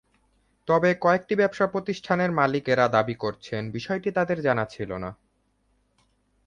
তবে কয়েকটি ব্যবসাপ্রতিষ্ঠানের মালিকেরা দাবি করেছেন, বিষয়টি তাঁদের জানা ছিল না।